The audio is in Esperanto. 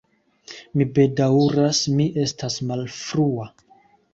Mi bedaŭras, mi estas malfrua.